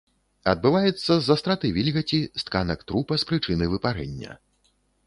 Адбываецца з-за страты вільгаці з тканак трупа з прычыны выпарэння.